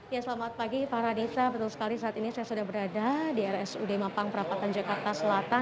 ya selamat pagi farhanisa betul sekali saat ini saya sudah berada di rsud mampang perapatan jakarta selatan